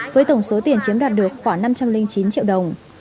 với tổng số tiền chiếm đoạt được khoảng năm trăm linh chín triệu đồng